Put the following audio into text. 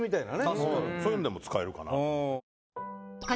富澤：そういうのでも使えるかなと。